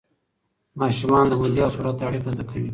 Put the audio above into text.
ماشومان د مودې او سرعت اړیکه زده کوي.